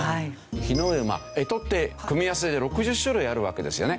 干支って組み合わせ６０種類あるわけですよね。